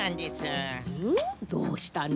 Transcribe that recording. どうしたの？